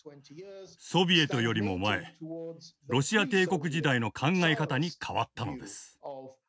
ソビエトよりも前ロシア帝国時代の考え方に変わったのです。